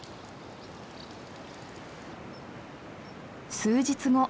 数日後。